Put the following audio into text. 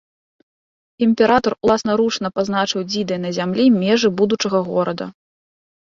Імператар уласнаручна пазначыў дзідай на зямлі межы будучага горада.